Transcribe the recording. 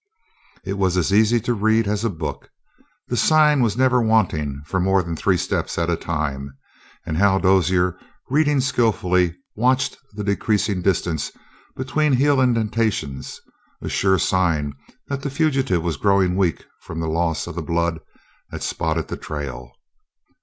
It was as easy to read as a book. The sign was never wanting for more than three steps at a time, and Hal Dozier, reading skillfully, watched the decreasing distance between heel indentations, a sure sign that the fugitive was growing weak from the loss of the blood that spotted the trail.